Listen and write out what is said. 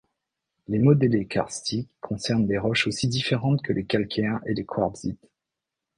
Les modelés karstiques concernent des roches aussi différentes que les calcaires et les quartzites.